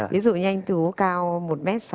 ví dụ như anh tú cao một m sáu mươi năm